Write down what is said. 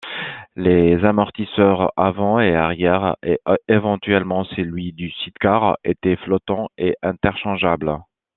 Les amortisseurs avant et arrière et éventuellement celui du side-car étaient flottants et interchangeables.